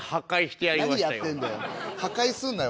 何やってんだよ。